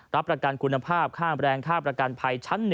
รับประกันคุณภาพค่าแบรนดค่าประกันภัยชั้น๑